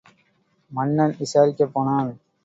மன்னன் விசாரிக்கப் போனான்.